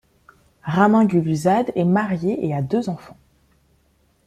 Ramin Guluzade est marié et a deux enfants.